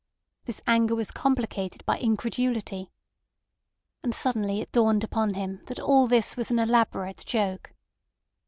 This anger was complicated by incredulity. And suddenly it dawned upon him that all this was an elaborate joke.